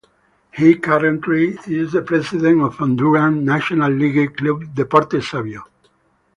He currently is the president of Honduran national league club Deportes Savio.